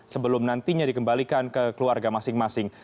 sebelum nantinya dikembalikan ke keluarga masing masing